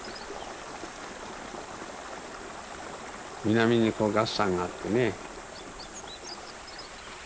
南にこう月山があってね。